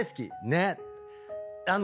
ねっ。